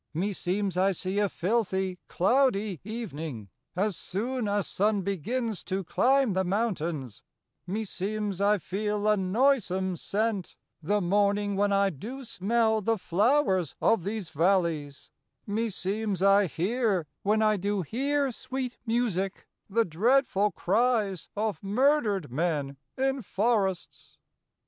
Klaius. Me seemes I see a filthie clow die evening , As soon as Sunne begins to clime the mountaines : Me seemes I feele a noysome sent , the morning When I doo smell the flowers of these v allies : Me seemes I heare , when I doo heare sweet e musique, The dreadfull cries of murdred men in forrests. Strephon.